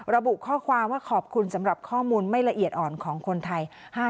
ระบุข้อความว่าขอบคุณสำหรับข้อมูลไม่ละเอียดอ่อนของคนไทย